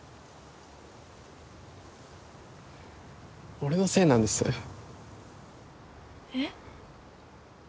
俺のせいなんですえっ？